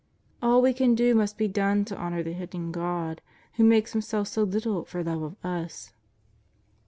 All we can do must be done to honour the Hidden God who makes Himself so little for love of us.